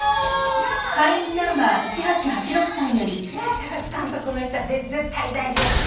高津監督の言った「絶対大丈夫」